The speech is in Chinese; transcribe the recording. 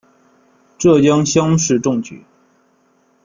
浙江乡试中举。